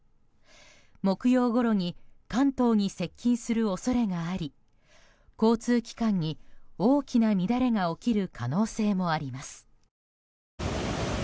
木曜ごろに関東に接近する恐れがあり交通機関に大きな乱れが起きる可能性もあります。